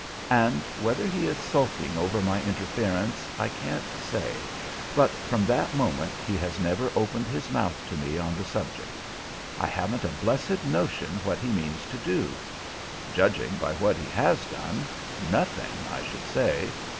"And whether he is sulking over my interference, I can't say, but from that moment he has never opened his mouth to me on the subject. I haven't a blessed notion what he means to do; judging by what he has done, nothing, I should say.